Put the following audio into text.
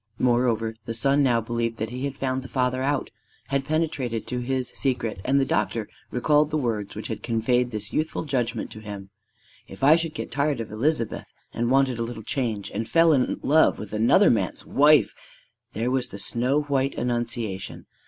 Moreover, the son now believed that he had found the father out, had penetrated to his secret; and the doctor recalled the words which had conveyed this youthful judgment to him: "_If I should get tired of Elizabeth and wanted a little change and fell in love with another man's wife _" There was the snow white annunciation!